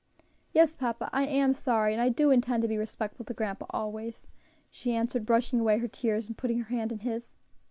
"Yes, papa, I am sorry, and I do intend to be respectful to grandpa always," she answered, brushing away her tears, and putting her hand in his.